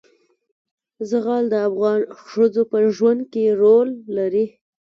زغال د افغان ښځو په ژوند کې رول لري.